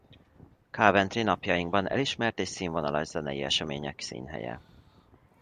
Coventry napjainkban elismert és színvonalas zenei események színhelye.